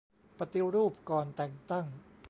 ปฏิรูปก่อนแต่งตั้ง